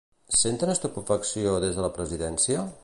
Senten estupefacció des de la presidència?